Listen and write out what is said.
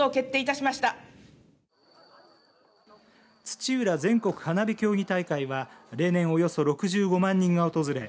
土浦全国花火競技大会は例年およそ６５万人が訪れ